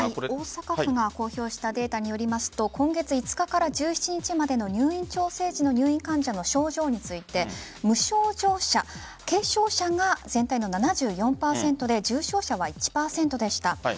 大阪府が公表したデータによりますと今月５日から１７日までの入院調整時の入院患者の症状について無症状者、軽症者が全体の７４％で重症者は１％でした。